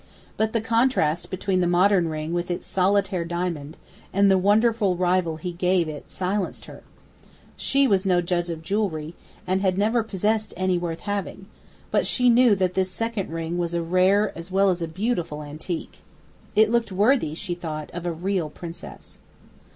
But the contrast between the modern ring with its "solitaire" diamond and the wonderful rival he gave it silenced her. She was no judge of jewellery, and had never possessed any worth having; but she knew that this second ring was a rare as well as a beautiful antique. It looked worthy, she thought, of a real princess.